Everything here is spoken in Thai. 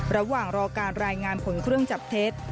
ระหว่างรอการรายงานผลเครื่องจับเท็จ